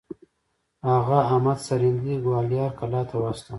هغه احمد سرهندي ګوالیار کلا ته واستوه.